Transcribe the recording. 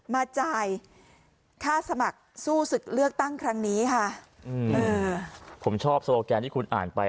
มาจ่ายค่าสมัครสู้ศึกเลือกตั้งครั้งนี้ค่ะอืมเออผมชอบโซโลแกนที่คุณอ่านไป